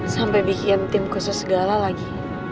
sampai bikin tim khusus segala lagi